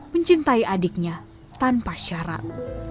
mencintai adiknya tanpa syarat